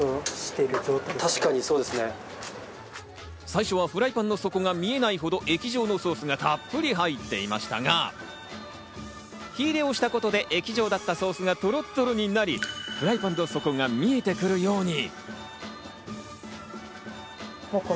最初はフライパンの底が見えないほど、液状のソースがたっぷり入っていましたが、火入れをしたことで液状だったソースがトロットロになり、鍋の底が見えてくるように。